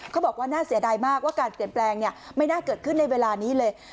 เขาบอกว่าน่าเสียดายมากว่าการเปลี่ยนแปลงไม่น่าเกิดขึ้นในเวลานี้เลย